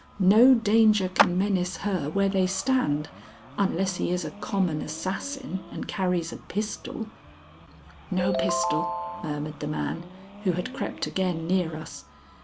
"No danger can menace her where they stand, unless he is a common assassin and carries a pistol " "No pistol," murmured the man, who had crept again near us.